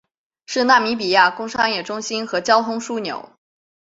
是纳米比亚工商业中心和交通枢纽。